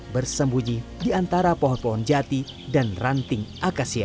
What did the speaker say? bersembunyi diantara pohon pohon jati dan ranting akasia